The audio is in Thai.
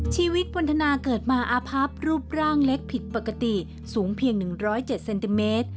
ชีวิตปนทนาเกิดมาอาพับรูปร่างเล็กผิดปกติสูงเพียง๑๐๗เซนติเมตร